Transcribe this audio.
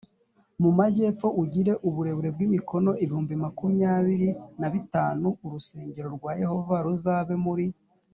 mu majyepfo ugire uburebure bw imikono ibihumbi makumyabiri na bitanu urusengero rwa yehova ruzabe muri